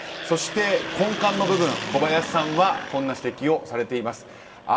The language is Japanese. そして根幹の部分、小林さんはこんな指摘をされています。